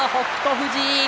富士。